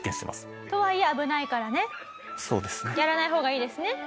やらない方がいいですね？